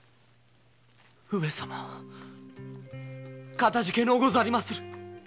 かたじけのうござりまする。